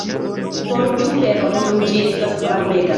Forĝu feron dum ĝi estas varmega.